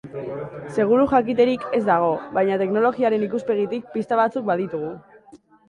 Seguru jakiterik ez dago, baina teknologiaren ikuspegitik pista batzuk baditugu.